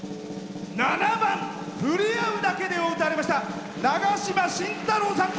７番「ふれあうだけで」を歌われましたながしまさん